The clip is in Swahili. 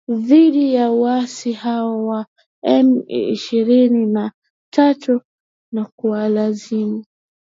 dhidi ya waasi hao wa M ishirini na tatu na kuwalazimu